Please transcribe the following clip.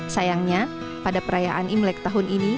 sayangnya pada perayaan imlek tahun ini